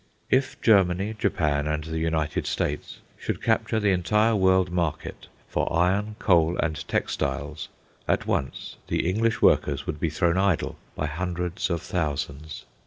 If Germany, Japan, and the United States should capture the entire world market for iron, coal, and textiles, at once the English workers would be thrown idle by hundreds of thousands.